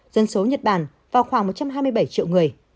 dân số nhật bản vào khoảng một trăm hai mươi bảy triệu người